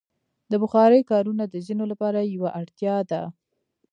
د بخارۍ کارونه د ځینو لپاره یوه اړتیا ده.